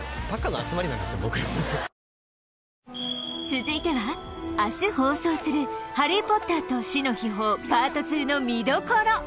続いては明日放送する「ハリー・ポッターと死の秘宝ＰＡＲＴ２」の見どころ